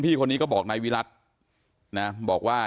ผมมีโพสต์นึงครับว่า